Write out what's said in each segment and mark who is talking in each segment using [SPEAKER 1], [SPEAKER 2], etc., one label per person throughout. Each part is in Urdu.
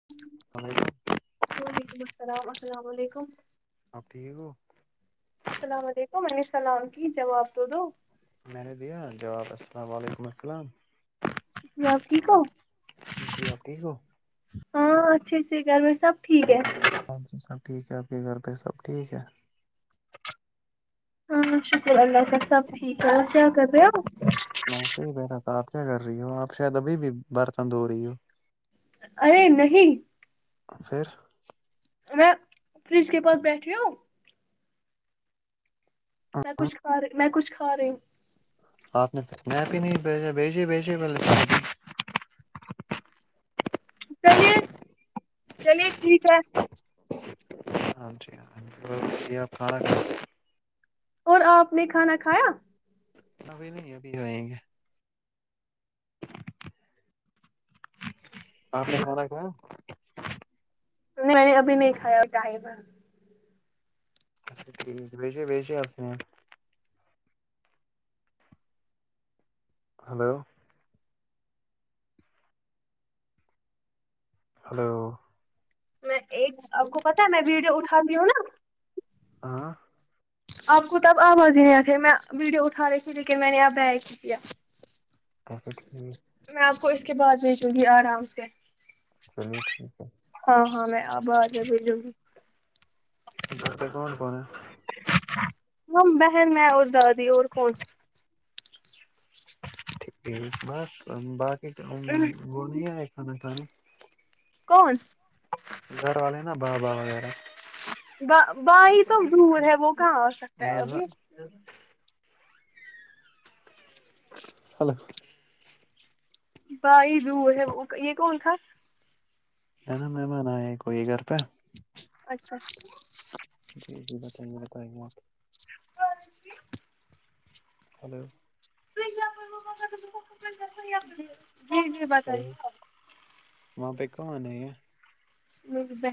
[SPEAKER 1] [inaudible]
[SPEAKER 2] وعلیکم السلا السلام علیکم
[SPEAKER 1] اب ٹھیک ہو
[SPEAKER 2] السلام علیکم عنی السلام کی جواب تود
[SPEAKER 1] میں نے دیا جواب السلام و علیکم السلام
[SPEAKER 2] جیؤ ٹھیک ہو
[SPEAKER 1] جی ٹھیک ہو
[SPEAKER 2] ہاں اچھے سے گھر میں سب ٹھیک ہے
[SPEAKER 1] ہاں جی سب ٹھیک ہے آپ کے گھر پہ سب ٹھیک ہے
[SPEAKER 2] ہاں شکر اللہ تال سبٹھیک ہے کیا کر رہے ہو
[SPEAKER 1] ایسے ہی بہ رہا تھا آپ کیا کر رہی ہو آپ شاید ابھی بھی برتن دھو رہی ہو
[SPEAKER 2] ارے نہیں
[SPEAKER 1] پھر
[SPEAKER 2] میں فریج کے پاس بیٹھی ہوں م میں کچھار میں کچھارے
[SPEAKER 1] آپ نے اسنیپ ہی نہیں بھیجا بھیجی بھیجی
[SPEAKER 2] چلیے چلیے ٹھیک ہے
[SPEAKER 1] ہاں جی ہاں اور آپا
[SPEAKER 2] اور آپ نے کھانا کھایا
[SPEAKER 1] ابھی نہیں ابھی آئیں گے آپ نے سارا کہ
[SPEAKER 2] میں نے ابھی نہیں کھیا کیا ہی بس
[SPEAKER 1] اچھا ٹھیک ہے بیسے بیسے آپ نے ہلو ہلو
[SPEAKER 2] میں ایک آپ کو پتاہ ہے میں ویڈیو اٹھاتی ہوں نا
[SPEAKER 1] [unintelligible] [inaudible]
[SPEAKER 2] آپ کو تو اب آواز ہی آ تھے میں ویڈیو اٹھا رہے تے لیکن میں نے آپ بیائ کیایا
[SPEAKER 1] اچھا ٹھیک
[SPEAKER 2] میں آپ کو اس کے بعد بھی دوں گی آرام سے
[SPEAKER 1] چلیے ٹھیک ہے
[SPEAKER 2] ہاں ہاں میں آبہ آ جر بھی جو گی
[SPEAKER 1] در کون کون
[SPEAKER 2] ہم بہن میں اور دادی اور کون
[SPEAKER 1] بس باقی تو وہ نہیں آئے کھانا کھان
[SPEAKER 2] کون
[SPEAKER 1] گھر والے نا با با وغیرہ
[SPEAKER 2] ب بائی تو دور ہے وہ کہاں آ سکتا ہے ابھی
[SPEAKER 1] ہ
[SPEAKER 2] [inaudible]
[SPEAKER 1] ہلو
[SPEAKER 2] بائی دور ہے وہ یہ کون تھا
[SPEAKER 1] ہے نا مہمان آئے کوئی گھر پہ
[SPEAKER 2] اچھا
[SPEAKER 1] جی جی بتائیے بتائیے آپ
[SPEAKER 2] [inaudible]
[SPEAKER 1] تو
[SPEAKER 2] [unintelligible] [inaudible]
[SPEAKER 1] وہاں پہ کو آنا ہے
[SPEAKER 2] ج ب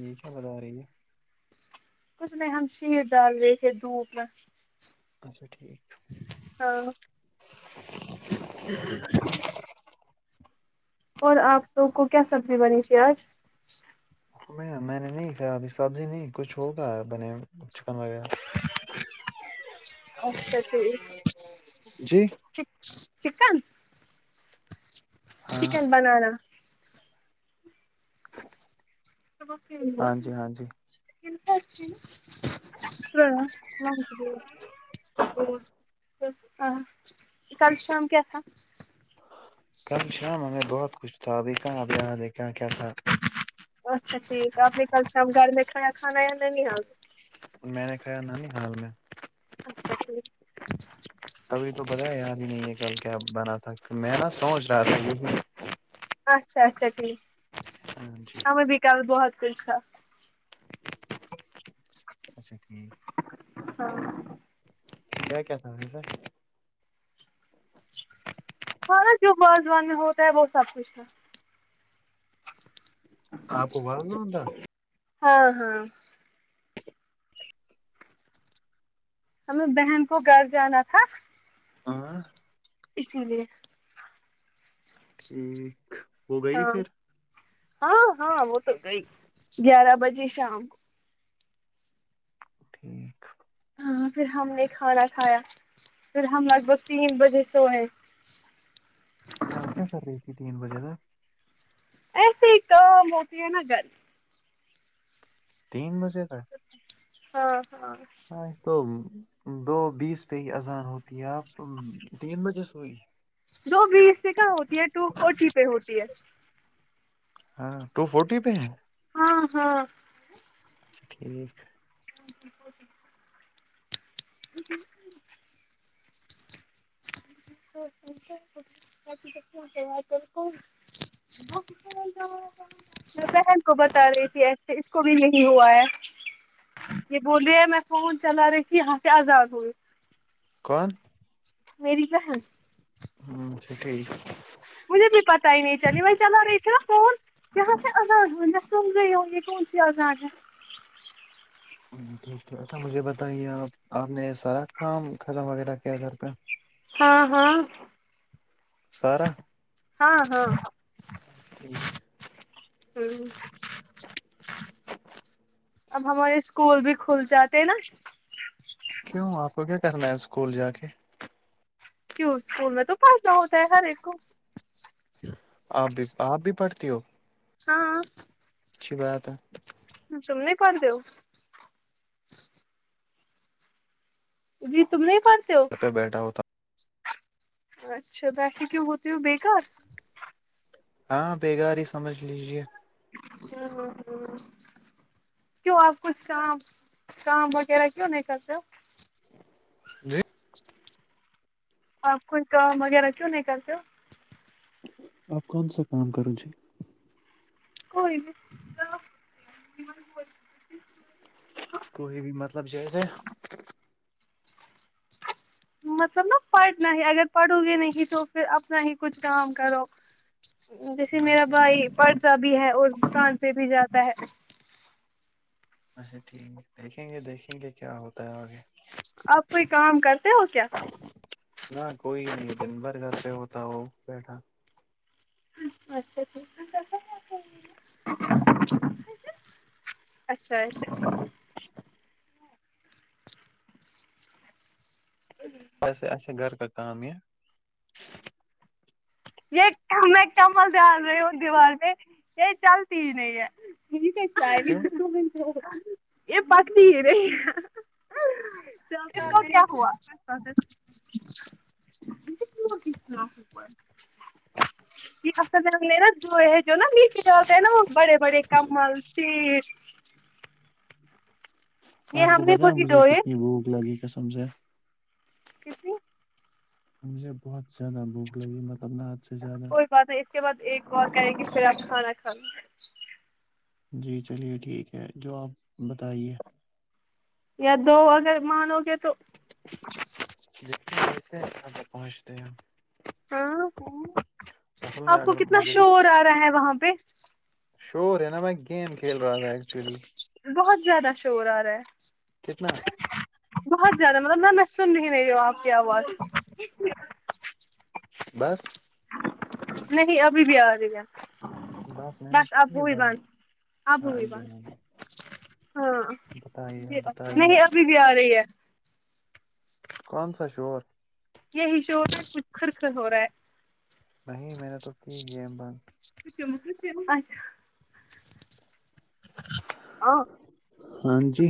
[SPEAKER 1] یہی کیا بتا رہی ہے
[SPEAKER 2] کچھ میں ہم شیر ڈال رہے تھے دھوپ میں
[SPEAKER 1] [inaudible]
[SPEAKER 2] ہاں
[SPEAKER 1] [inaudible]
[SPEAKER 2] اور آپ سو کو کیا سبزی بنی تے آج
[SPEAKER 1] میں میں نے نہیں ک ابھی سبزی نہیں کچھ ہوگا بنے چکن وغیرہ
[SPEAKER 2] اچھا ٹھیک
[SPEAKER 1] جی
[SPEAKER 2] چکن
[SPEAKER 1] ہاں
[SPEAKER 2] چکن بنانا
[SPEAKER 1] ہاں جی ہاں جی
[SPEAKER 2] [inaudible] [inaudible] کل شام کیا تھا
[SPEAKER 1] کل شام ہمیں بہت خوچھ تھا ابھی کہاںب یہاں دیک کہ کیا تھا [inaudible]
[SPEAKER 2] اچھا ٹھیک ہے آپ نے کل شام گھر میں کایا کھانا یا نہیں آ
[SPEAKER 1] میں نے کھایا ن نہیں حال میں
[SPEAKER 2] اچھا ٹھیک [inaudible]
[SPEAKER 1] تبھی تو پتا ہے یاد ہی نہیں یہ کل کیا بنا تھا میں نا سوچ رہا تھا یہ [inaudible]
[SPEAKER 2] اچھا اچھا ٹھیک
[SPEAKER 1] ہاں جی
[SPEAKER 2] ہمیں بھی کل بہت کچھ تھا [inaudible]
[SPEAKER 1] اچھا ٹھیک کیا کیا تھا ویسا [inaudible]
[SPEAKER 2] ہانا جو واازوان میں ہوتا ہے وہ سب کچھ ہے
[SPEAKER 1] آپ کو باز نہیں ہوتا [unintelligible]
[SPEAKER 2] ہاں ہاں ہمیں بہن کو گھر جانا تھا
[SPEAKER 1] آ [inaudible]
[SPEAKER 2] اسی لیے
[SPEAKER 1] ایکیک [inaudible]
[SPEAKER 2] ہاں ہاں ہاں وہ تو گئی گیارہ بجے شام
[SPEAKER 1] ٹھیک
[SPEAKER 2] ہاں پھر ہم نے کھانا کھایا پھر ہم لگ بھگ تین بجے سوئے [inaudible]
[SPEAKER 1] ت آپ کیا کر رہی تھی تین بجے ت
[SPEAKER 2] ایسیے ہوتی ہے نا گھر [inaudible]
[SPEAKER 1] تین بجے تک
[SPEAKER 2] ہاں ہاں
[SPEAKER 1] تو دو بیس پہ ہی اذان ہوتی ہے آپ تین بجے سےوئی
[SPEAKER 2] دو بیس پ کہ ہوتی ہے ٹو فورٹی پہ ہوتی ہے
[SPEAKER 1] ہاں ٹو فورٹی پہ ہے
[SPEAKER 2] ہاں ہاں
[SPEAKER 1] اچھا ٹھیک
[SPEAKER 2] ا [inaudible] [inaudible] کر کو [inaudible] ب ج ہو [inaudible] میں بہن کو بتا رہی تھی ایسے اس کو بھی نہیں ہوا ہے یہ بول رہ ہے میں فون چلا رہی کہ یہاں سے آزاد ہوئے
[SPEAKER 1] کون
[SPEAKER 2] میری کہن [unintelligible]
[SPEAKER 1] ہوں سٹ ہی [inaudible]
[SPEAKER 2] مجھے بھی پتا ہی نہیں چل وہیں چلا رہی تھی ن فون یہا عزاگ ہو میں سمز یہ کون سی عزاگ ہے [inaudible]
[SPEAKER 1] ٹھیک ہے اچھا مجھے بتائیے آپ آپ نے سارا کام خزم وغیرہ کیا گھر پہ
[SPEAKER 2] ہاں ہاں
[SPEAKER 1] سارا
[SPEAKER 2] ہاں ہاں
[SPEAKER 1] ٹھ [inaudible]
[SPEAKER 2] ہوں اب ہمارے اسکول بھی کھل جاتے ہیں نا
[SPEAKER 1] کیوں آپ کو کیا کرنا ہے اسکول جا کے
[SPEAKER 2] کیوں اسکول میں تو پڑھنا ہوتا ہے ہر ایک کو
[SPEAKER 1] آپ بھی آپ بھی پڑھتی ہو
[SPEAKER 2] ہاں
[SPEAKER 1] اچھی بات ہے
[SPEAKER 2] سم نہیں کون دوں جی تم نہیں پڑھتے ہو
[SPEAKER 1] گھر بیٹھا ہوتا
[SPEAKER 2] اچا باسےک ہوتی بیے ک
[SPEAKER 1] ہاں بگار ہی سمجھ لیجے
[SPEAKER 2] ہ ہ ہ کیوں آپ کچھ کام کام وغیرہ کیوں نہیں کرتے ہو
[SPEAKER 1] ج
[SPEAKER 2] ہ کوئی کام وغیرہ کیوں نہیں کرتے
[SPEAKER 1] آپ کون سا کام کرو جی
[SPEAKER 2] کوئی بھی [inaudible]
[SPEAKER 1] کو بھی مطلب جیسے
[SPEAKER 2] [inaudible] مطلب نا پڑھنا ہی اگر پڑھو گے نہیں تو پھر اپنا ہی کچھ کام کرو جیسے میرا
[SPEAKER 1] دیکھیں،
[SPEAKER 2] بھائی پڑھتا بھی ہے اور کان پہ بھی جاتا ہے
[SPEAKER 1] اچھا ٹھیک دیکھیں گے دیکھیں گے کیا ہوتا ہے آگے
[SPEAKER 2] آپ کوئی کام کرتے ہو کیا
[SPEAKER 1] ہ کوئی نہیں دن بھر کر سے ہوتا وہ بیٹھا
[SPEAKER 2] چ اچھا ٹھیکسا کیا اچھا اچھا
[SPEAKER 1] سے اچا گھر کا کا یہ
[SPEAKER 2] یہ میں کمل دال رہی ہوں دیوار میں یہ چلتی ہی نہیں ہے
[SPEAKER 1] کیوں
[SPEAKER 2] یہ بقی رہے
[SPEAKER 1] ٹھیک
[SPEAKER 2] [inaudible] [inaudible] یہل نا جو جو نا میٹ ڈالتے ہے نا وہ بڑے بڑے کمل سیر یہ
[SPEAKER 1] آپ کو
[SPEAKER 2] ہم نے
[SPEAKER 1] بتایا
[SPEAKER 2] وہی
[SPEAKER 1] مجھے
[SPEAKER 2] دھوئے
[SPEAKER 1] کتنی بھوک لگی کسم سے
[SPEAKER 2] کتنے
[SPEAKER 1] مجھے بہت زیادہ بھوک لگی ملب اپنا ہاتھ سے زیادہ
[SPEAKER 2] کوئی بات نہیں اس کے بعد ایک اور کریں کہ سراپ کھانا کھان
[SPEAKER 1] جی چلیے ٹھیک ہے جو آپ بتائیے
[SPEAKER 2] یا دو اگر مانو گے تو
[SPEAKER 1] ل آ پہنچتے ہیں
[SPEAKER 2] ہاں
[SPEAKER 1] اصل میں
[SPEAKER 2] آپ کو
[SPEAKER 1] اگر
[SPEAKER 2] کتنا
[SPEAKER 1] مجھے
[SPEAKER 2] شور آ رہا ہے وہاں پہ
[SPEAKER 1] شور ہے نا میں گیم کھیل رہا تھا ایکچولی
[SPEAKER 2] بہت زیادہ شور آ رہا ہے
[SPEAKER 1] [unintelligible]
[SPEAKER 2] بہت زیادہ مطلب نہ نہ سن رہ میری وہ آپ کی آواز
[SPEAKER 1] بس
[SPEAKER 2] نہیں ابھی بھی آ رہ گا
[SPEAKER 1] میں نے
[SPEAKER 2] بس
[SPEAKER 1] کی
[SPEAKER 2] ابوی بند
[SPEAKER 1] ہاں
[SPEAKER 2] ابوی
[SPEAKER 1] جی
[SPEAKER 2] بند
[SPEAKER 1] ہاں جی
[SPEAKER 2] ہاں
[SPEAKER 1] بتائیے بتائیے
[SPEAKER 2] نہیں ابھی بھی آ رہی ہے
[SPEAKER 1] کو سا چ اور
[SPEAKER 2] یہ ہشور میں کچھ کرخ ہو رہا ہے
[SPEAKER 1] نہیں میں نے تو کی گیم بند
[SPEAKER 2] کچھا آ
[SPEAKER 1] ہاں جی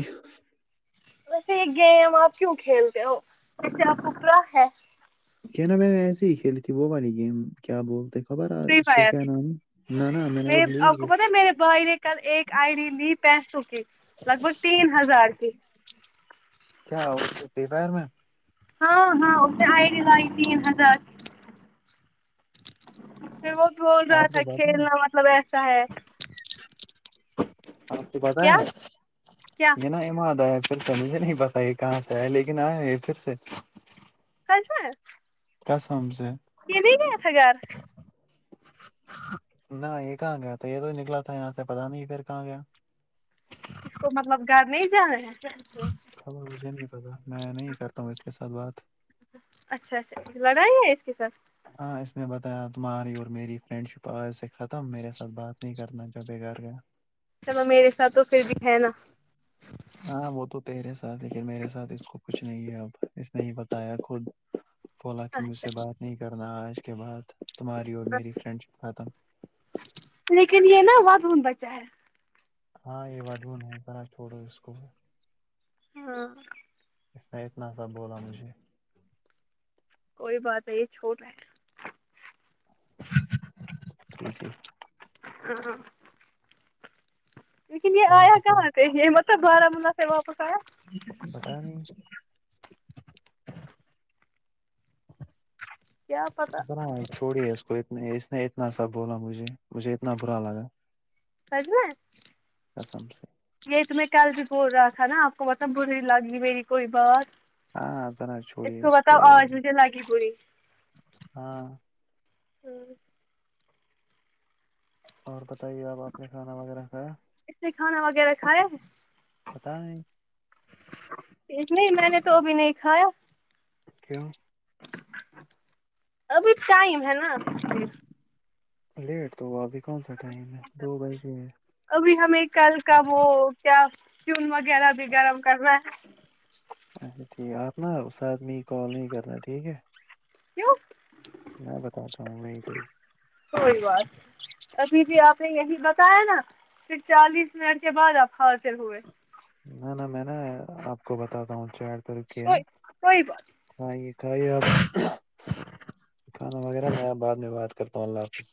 [SPEAKER 2] ویسے یہ گیم آپ کیوں کھیلتے ہو ویسے آپ کو کیا ہے
[SPEAKER 1] کیا نا میں نے ایسسی ہی کھیلی تھی وہ والی گیم کیا بولتے خبر ہے
[SPEAKER 2] فری
[SPEAKER 1] اس کو
[SPEAKER 2] فائر
[SPEAKER 1] کیا نام ہے؟ نہ نہ میں
[SPEAKER 2] م
[SPEAKER 1] نے وہ ڈیلیٹ
[SPEAKER 2] آپ کو
[SPEAKER 1] کی
[SPEAKER 2] پتا ہے میرے بھائی نے کل ایک آئی ڈی لی پینسوں کی لگ بھگ تین ہزار کی
[SPEAKER 1] کیا اور چھٹی بر میں
[SPEAKER 2] ہاں ہاں اے آئے ڈ گائی تین ہزار وہ بول رہا
[SPEAKER 1] آپ
[SPEAKER 2] تھا
[SPEAKER 1] کو پتا ہے
[SPEAKER 2] کھیلنا مطلب ایسا ہے
[SPEAKER 1] آپ کو
[SPEAKER 2] کیا
[SPEAKER 1] پتاہ ہے
[SPEAKER 2] کیا
[SPEAKER 1] یہ نا ایمادب پھر سے مجھے نہیں پتا یہ کہاں سے آئے لیکن آئے ہو پھر سے
[SPEAKER 2] کس میں
[SPEAKER 1] قسم سے
[SPEAKER 2] یہ د گ تھا گار
[SPEAKER 1] نہ یہ کہاں گیا تھا یہ تو نکلا تھا یہاں سے پتا نہیں پھر کہاں گیا
[SPEAKER 2] اس کو مطلب گھر نہیں جانا ہے
[SPEAKER 1] خبر مجھے نہیں پتا میں نہیں کرتا ہوں اس کے ساتھ بات
[SPEAKER 2] اچھا اچھا لڑائی ہے اس کے ساتھ
[SPEAKER 1] ہاں اس نے بتایا تمہاری اور میری فرینڈ شپ آج سے ختم میرے ساتھ بات نہیں کرنا چاہ بے گار گ
[SPEAKER 2] چ میرے ساتھ تو پھر بھی ہے نا
[SPEAKER 1] ہاں وہ تو تیرے ساتھ لیکن میرے ساتھ اس کو کچھ نہیں ہے اب اس نے ہی بتایا خود بولا کہ مجھ
[SPEAKER 2] اچھا
[SPEAKER 1] سے بات نہیں کرنا آج کے بعد تمہاری اور میری
[SPEAKER 2] اچھا
[SPEAKER 1] فرینڈ شپ ختم
[SPEAKER 2] لیکن یہ نا وہ دھون بچا ہے
[SPEAKER 1] ہاں یہ ود وہ نہیں را چھوڑو اس کو بھی
[SPEAKER 2] ہاں
[SPEAKER 1] اس نے اتنا سا بولا مجھے
[SPEAKER 2] کوئی بات ہے یہ چھوٹ ہے
[SPEAKER 1] جٹی جی
[SPEAKER 2] [unintelligible] لیکن یہ
[SPEAKER 1] اور
[SPEAKER 2] آیا
[SPEAKER 1] بتا
[SPEAKER 2] کہاں تھ یہ مطلب بارامولہ سے واپس آیا
[SPEAKER 1] پتا نہیں
[SPEAKER 2] کیا پتا
[SPEAKER 1] ب چھوڑی اس کو اتنے اس نے اتنا سا بولا مجھے مجھے اتنا برا لگا
[SPEAKER 2] [unintelligible]
[SPEAKER 1] [unintelligible]
[SPEAKER 2] یہی تو میں کل بھی بول رہا تھا نا آپ کو پتب بری لگی میری کوئی بات
[SPEAKER 1] ہاں ذرا
[SPEAKER 2] اس
[SPEAKER 1] چھوڑیے
[SPEAKER 2] کو بتاؤ آج مجھے لگی پی
[SPEAKER 1] ہاں
[SPEAKER 2] [unintelligible]
[SPEAKER 1] اور بتائیے آپ آپ نے کھانا وغیرہ کا
[SPEAKER 2] اس نے کھانا وغیرہ کھائے ہے
[SPEAKER 1] پتا ہے
[SPEAKER 2] نہیں میں نے تو ابھی نہیں کھایا
[SPEAKER 1] کیوں
[SPEAKER 2] ابھی ٹائم ہے نا
[SPEAKER 1] لیٹ تو ہو ابھی کون سا ٹائم ہے دو بجے ہے
[SPEAKER 2] ابھی ہمیں کل کا وہ کیا چون وغیرہ بھی گرم کرنا ہے
[SPEAKER 1] اچھا ٹھیک ہے آپ نا اس آدمی کال نہیں کرنا ٹھیک ہے
[SPEAKER 2] کیوں
[SPEAKER 1] میں بتاتا ہوں وہ کہی
[SPEAKER 2] کوئی بات ابھی بھی آپ نے یہی بتایا نا پھر چالیس منٹ کے بعد آپ حاصل ہوئے
[SPEAKER 1] نہ نہ میں نے آپ کو بتاتا ہوں چک کرکے
[SPEAKER 2] کوئی کوئی بات
[SPEAKER 1] کھ یہ کھائیے آپ [unintelligible] کھانا وغیرہ میں بعد میں بات کرتا ہوں اللہ حافظ